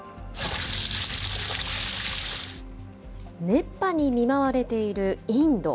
熱波に見舞われているインド。